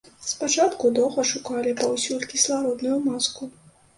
Спачатку доўга шукалі паўсюль кіслародную маску.